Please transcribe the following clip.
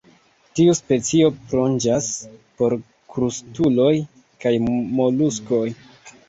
Tiu specio plonĝas por krustuloj kaj moluskoj.